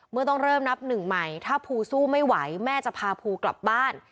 ต้องเริ่มนับหนึ่งใหม่ถ้าภูสู้ไม่ไหวแม่จะพาภูกลับบ้าน